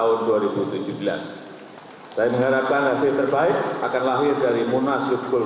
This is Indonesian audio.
untuk berkongsi tentang hal tersebut